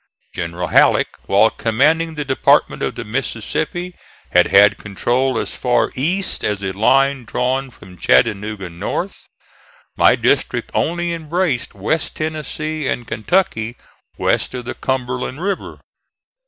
General Halleck while commanding the Department of the Mississippi had had control as far east as a line drawn from Chattanooga north. My district only embraced West Tennessee and Kentucky west of the Cumberland River.